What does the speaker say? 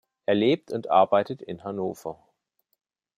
Er lebt und arbeitet in Hannover.